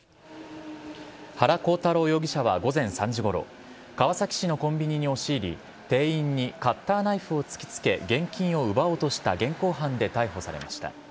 原光太郎容疑者は午前３時ごろ、川崎市のコンビニに押し入り、店員にカッターナイフを突きつけ現金を奪おうとした現行犯で逮捕されました。